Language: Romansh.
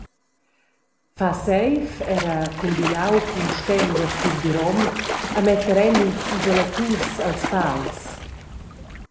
Far seiv era cumbinau cun stender fildirom e metter en ils isolaturs als pals.